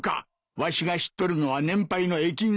わしが知っとるのは年配の駅員さんだけだぞ。